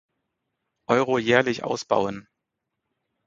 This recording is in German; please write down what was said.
Euro jährlich ausbauen.